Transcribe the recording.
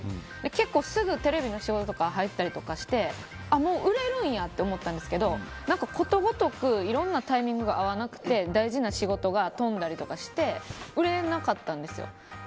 結構すぐテレビの仕事とか入ったりしてもう売れるんやって思ったんですけどことごとくいろんなタイミングが合わなくて大事な仕事が飛んだりとかして売れなかったんですよ。